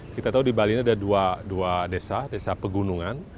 kita tahu di bali ini ada dua desa desa pegunungan